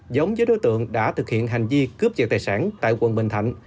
giống với đối tượng đã thực hiện hành di cướp vật tài sản tại quận bình thạnh